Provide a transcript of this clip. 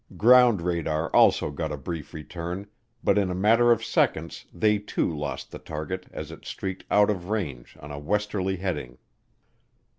Ground radar also got a brief return, but in a matter of seconds they too lost the target as it streaked out of range on a westerly heading.